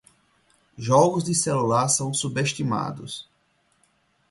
Jogos de celular são subestimados